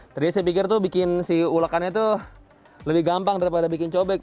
tadi saya pikir tuh bikin si ulekannya tuh lebih gampang daripada bikin cobek